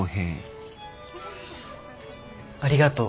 ありがとう。